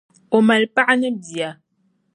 O mali la paɣa ni bia..